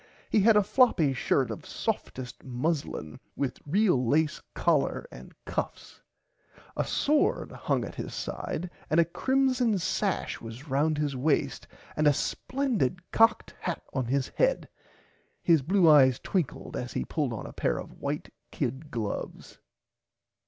He had a floppy shirt of softist muslin with real lace collar and cuffs. A sword hung at [Pg 65] his side and a crimson sash was round his waist and a splendid cocked hat on his head. His blue eyes twinkled as he pulled on a pair of white kid gloves.